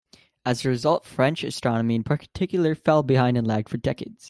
As a result, French astronomy in particular fell behind and lagged for decades.